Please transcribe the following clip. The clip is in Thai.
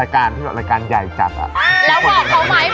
อ๋อก็เอาใหม่